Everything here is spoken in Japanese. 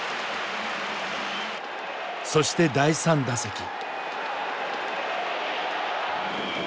そして第３打席。